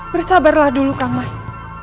bersabarlah dulu kang mas